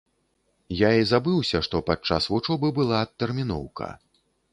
Я і забыўся, што падчас вучобы была адтэрміноўка.